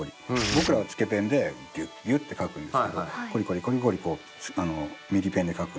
僕らはつけペンでギュッギュッて描くんですけどコリコリコリコリミリペンで描くんですよね。